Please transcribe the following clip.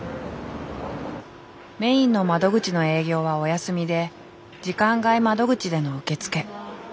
メインの窓口の営業はお休みで時間外窓口での受け付け。